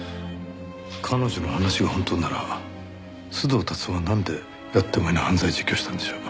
彼女の話が本当なら須藤龍男はなんでやってもいない犯罪を自供したんでしょう？